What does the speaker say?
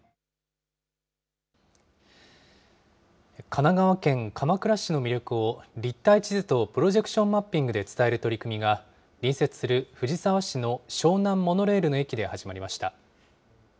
神奈川県鎌倉市の魅力を立体地図とプロジェクションマッピングで伝える取り組みが、隣接する藤沢市の湘南モノレールの駅で始まりました。